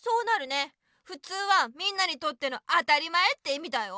ふつうは「みんなにとっての当たり前」っていみだよ。